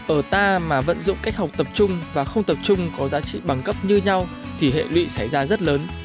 ở ta mà vận dụng cách học tập trung và không tập trung có giá trị bằng cấp như nhau thì hệ lụy xảy ra rất lớn